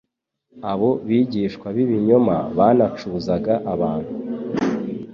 Abo bigisha b'ibinyoma banacuzaga abantu.